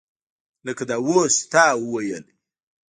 لکه دا اوس چې تا وویلې.